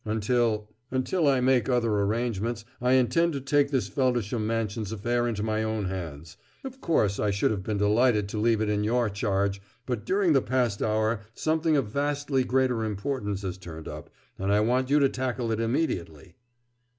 Until until I make other arrangements, I intend to take this Feldisham Mansions affair into my own hands. Of course, I should have been delighted to leave it in your charge, but during the past hour something of vastly greater importance has turned up, and I want you to tackle it immediately."